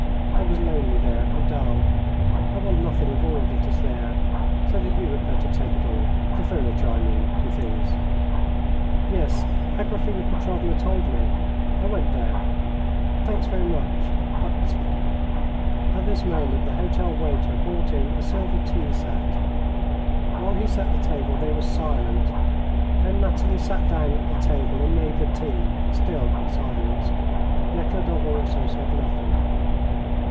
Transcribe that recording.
I was lonely there, and dull. I want nothing of all that is there, so that you had better take it all the furniture, I mean, and things." "Yes, Agraphena Petrovna told me. I went there. Thanks, very much. But " At this moment the hotel waiter brought in a silver tea set. While he set the table they were silent. Then Nathalie sat down at the table and made the tea, still in silence. Nekhludoff also said nothing.